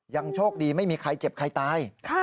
ยังโชคดีไม่มีใครเจ็บใครตาย